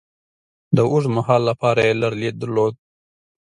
د اوږد مهال لپاره یې لرلید درلود.